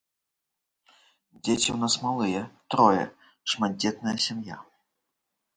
Дзеці ў нас малыя, трое, шматдзетная сям'я.